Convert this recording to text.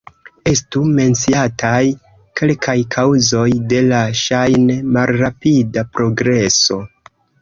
Estu menciataj kelkaj kaŭzoj de la ŝajne malrapida progreso.